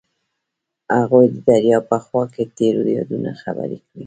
هغوی د دریا په خوا کې تیرو یادونو خبرې کړې.